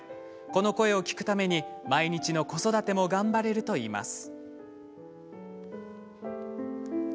この声を聞くために毎日の子育ても頑張れるといいます。